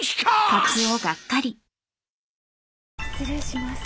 失礼します。